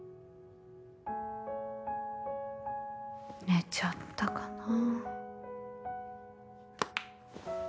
寝ちゃったかな。